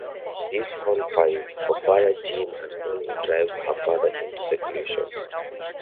This horrifies Barbara Jean and only drives her further into seclusion.